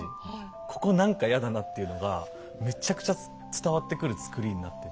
ここ何かやだなっていうのがむちゃくちゃ伝わってくる作りになってて。